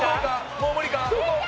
もう無理か？